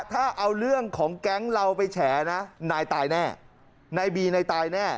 ถ้าเอาเรื่องของแก๊งเราไปแฉนะนายตายแน่นายบีนายตายแน่